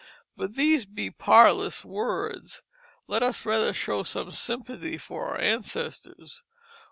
But these be parlous words. Let us rather show some sympathy for our ancestors.